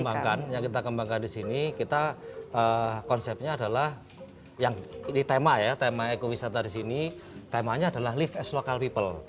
jadi kalau yang kita kembangkan disini kita konsepnya adalah ini tema ya tema ekowisata disini temanya adalah live as local people